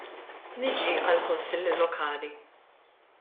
Niġi għall-kunsilli lokali.